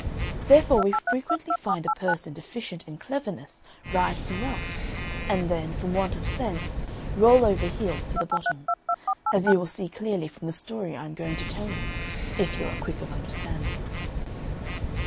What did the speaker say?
Therefore we frequently find a person deficient in cleverness rise to wealth, and then, from want of sense, roll over heels to the bottom; as you will see clearly from the story I am going to tell you, if you are quick of understanding.